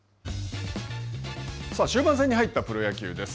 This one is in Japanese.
終盤戦に入ったプロ野球です。